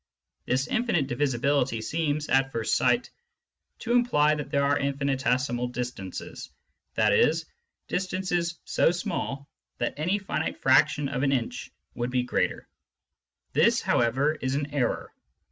This infinite divisibility seems, at first sight, to imply that there are infinitesimal distances, i.e. distances so small that any finite fraction of an inch would be greater. This, how ever, is an error.